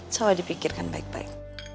coba dipikirkan baik baik